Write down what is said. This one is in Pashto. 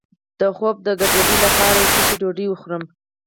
د خوب د ګډوډۍ لپاره د څه شي ډوډۍ وخورم؟